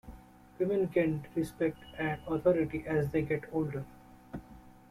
Women gain respect and authority as they get older.